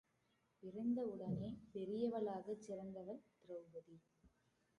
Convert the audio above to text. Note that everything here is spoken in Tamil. பிறந்தவுடனே பெரிவளாகச் சிறந்தவள் திரெளபதி.